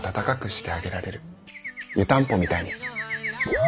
湯たんぽみたいに。